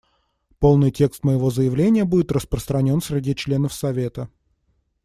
Полный текст моего заявления будет распространен среди членов Совета.